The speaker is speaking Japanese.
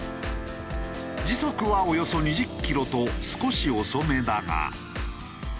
時速はおよそ２０キロと少し遅めだが。